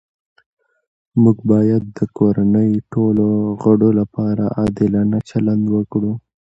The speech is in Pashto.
موږ باید د کورنۍ ټولو غړو لپاره عادلانه چلند وکړو